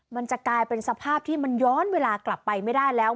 มันจะกลายเป็นสภาพที่มันย้อนเวลากลับไปไม่ได้แล้ว